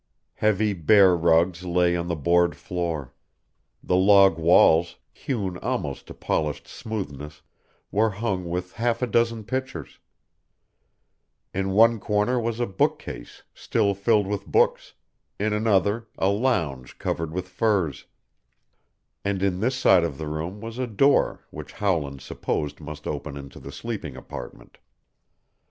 Heavy bear rugs lay on the board floor; the log walls, hewn almost to polished smoothness, were hung with half a dozen pictures; in one corner was a bookcase still filled with books, in another a lounge covered with furs, and in this side of the room was a door which Howland supposed must open into the sleeping apartment.